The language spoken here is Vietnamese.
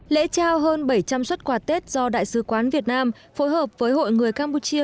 lễ trao hơn bảy trăm linh xuất quà tết do đại sứ quán việt nam phối hợp với hội người campuchia